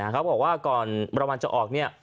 เขาบอกว่าก่อนรางวัลจะออกเนี่ย